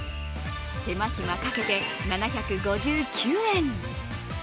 手間暇かけて７５９円。